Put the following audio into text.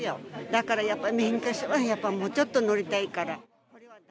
だからやっぱり、免許証はもうちょっと乗りたいから。